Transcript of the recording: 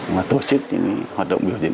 mà tổ chức những hoạt động biểu diễn